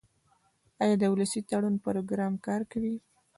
آیا د ولسي تړون پروګرام کار کوي؟